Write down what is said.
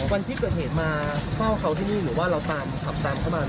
อ๋อวันที่เกิดเห็นมาเฝ้าเขาที่นี่หรือว่าเราตามเขามาหรือเปล่า